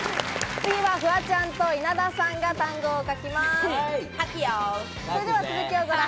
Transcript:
次はフワちゃんと稲田さんが単語を書きます。